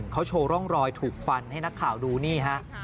เขาโชว์ร่องรอยถูกฟันให้นักข่าวดูนี่ฮะ